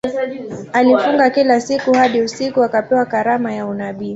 Alifunga kila siku hadi usiku akapewa karama ya unabii.